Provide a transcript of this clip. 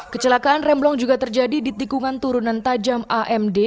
kecelakaan remblong juga terjadi di tikungan turunan tajam amd